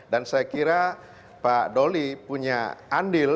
dan saya kira pak dolly punya andil